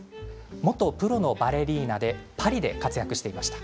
元プロのバレリーナでパリで活躍していました。